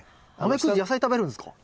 ナメクジ野菜食べるんですか？